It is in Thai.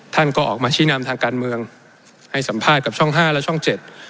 ท่านก็ออกมาชี้นำทางการเมืองให้สัมภาษณ์กับช่องห้าและช่องเจ็ด